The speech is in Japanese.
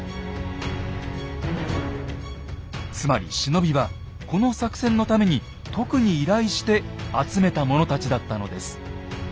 つまり忍びはこの作戦のために特に依頼して集めた者たちだったのです。